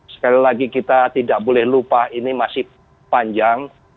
sekali lagi kita tidak boleh lupa ini masih panjang